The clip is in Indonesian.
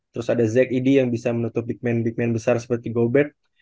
terus ada zack eady yang bisa menutup big man big man besar seperti gobert